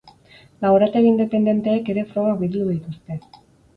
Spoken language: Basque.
Laborategi independenteek ere frogak bildu dituzte.